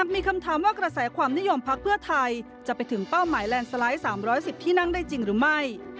มีคำถามว่ากระแสความนิยมพักเพื่อไทยจะไปถึงเป้าหมายแลนด์สไลด์๓๑๐ที่นั่งได้จริงหรือไม่